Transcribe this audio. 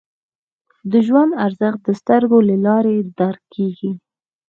د ژوند ارزښت د سترګو له لارې درک کېږي